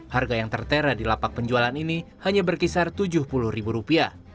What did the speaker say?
harga yang tertera di lapak penjualan ini hanya berkisar rp tujuh puluh